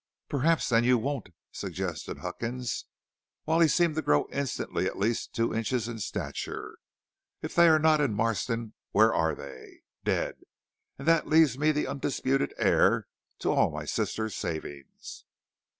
"Perhaps, then, you won't," suggested Huckins, while he seemed to grow instantly at least two inches in stature. "If they are not in Marston where are they? Dead! And that leaves me the undisputed heir to all my sister's savings."